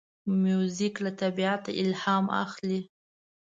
موزیک له طبیعته الهام اخلي.